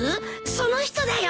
その人だよ